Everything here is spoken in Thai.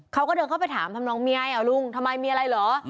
เขาก็เดินเข้าไปถามทำนองเมียลุงทำไมเมียอะไรเหรอ